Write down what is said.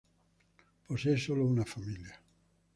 Posee solo una familia.